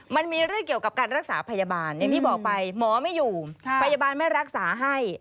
มันมีเรื่องเกี่ยวกับการรักษาพยาบาลอย่างที่บอกไปหมอไม่อยู่พยาบาลไม่รักษาให้